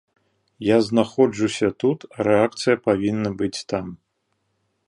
Я знаходжуся тут, а рэакцыя павінна быць там.